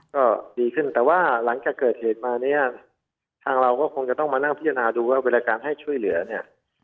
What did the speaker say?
ก็ดีขึ้นแต่ว่าหลังจากเกิดเหตุมาเนี่ยทางเราก็คงจะต้องมานั่งพิจารณาดูว่าเวลาการให้ช่วยเหลือเนี่ย